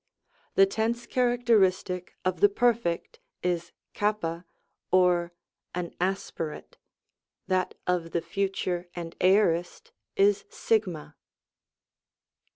The tense characteristic of the Perfect is k or (*), that of the Future and Aorist is a